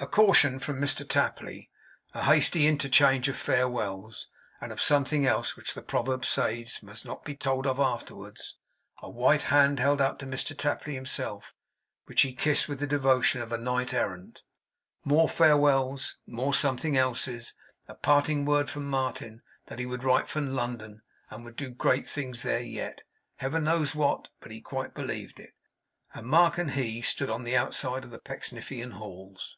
A caution from Mr Tapley; a hasty interchange of farewells, and of something else which the proverb says must not be told of afterwards; a white hand held out to Mr Tapley himself, which he kissed with the devotion of a knight errant; more farewells, more something else's; a parting word from Martin that he would write from London and would do great things there yet (Heaven knows what, but he quite believed it); and Mark and he stood on the outside of the Pecksniffian halls.